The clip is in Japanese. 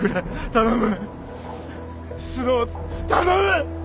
頼む！